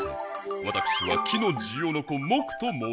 わたくしは木のジオノコモクともうします。